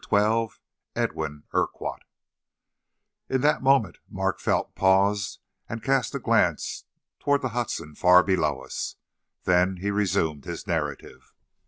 [Illustration: I] In that moment Mark Felt paused and cast a glance toward the Hudson far below us. Then he resumed his narrative.